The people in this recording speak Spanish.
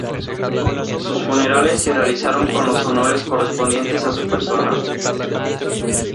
Sus funerales se realizaron con los honores correspondientes a su persona.